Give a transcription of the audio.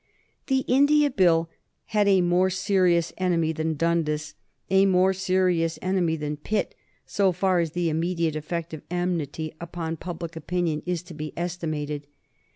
The India Bill had a more serious enemy than Dundas, a more serious enemy than Pitt so far as the immediate effect of enmity upon public opinion is to be estimated.